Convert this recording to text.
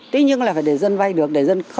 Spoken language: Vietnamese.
tuy nhiên là phải để dân vay được